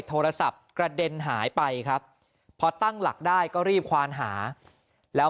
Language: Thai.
โทรศัพท์กระเด็นหายไปครับพอตั้งหลักได้ก็รีบควานหาแล้ว